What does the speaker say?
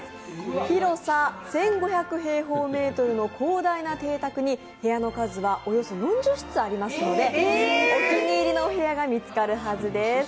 広さ１５００平方メートルの広大な邸宅に部屋の数はおよそ４０室ありますのでお気に入りのお部屋が見つかるはずです。